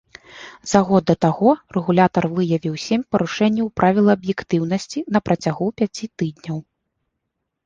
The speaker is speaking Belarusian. За год да таго рэгулятар выявіў сем парушэнняў правіла аб'ектыўнасці на працягу пяці тыдняў.